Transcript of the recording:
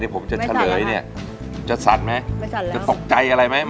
ผมจะเฉลยเนี่ยจะสั่นไหมไม่สั่นเลยจะตกใจอะไรไหม